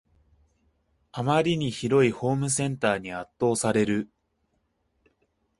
あまりに広いホームセンターに圧倒される